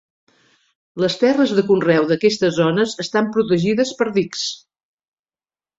Les terres de conreu d'aquestes zones estan protegides per dics.